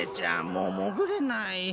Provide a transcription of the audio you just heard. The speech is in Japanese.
もうもぐれない。